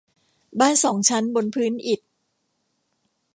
บ้านสองชั้นบนพื้นอิฐ